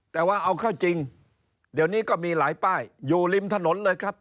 แต่ว่าเอาเข้าจริงเดี๋ยวนี้ก็มีหลายป้ายอยู่ริมถนนเลยครับ